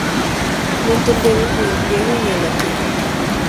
No entendemos ni el griego ni el latín.